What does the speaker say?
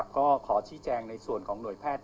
ก็ขอชี้แจงในส่วนของหน่วยแพทย์